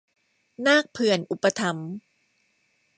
นาคเผื่อนอุปถัมภ์